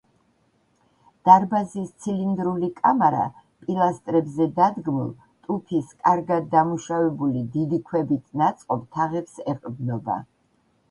დარბაზის ცილინდრული კამარა პილასტრებზე დადგმულ, ტუფის კარგად დამუშავებული დიდი ქვებით ნაწყობ თაღებს ეყრდნობა.